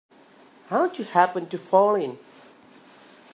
How'd you happen to fall in?